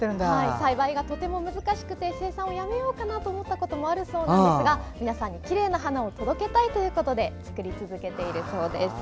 栽培がとても難しくて生産をやめようかと思ったこともあるそうなんですが皆さんに、きれいな花を届けたいということで作り続けているそうです。